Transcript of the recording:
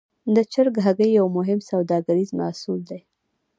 د چرګ هګۍ یو مهم سوداګریز محصول دی.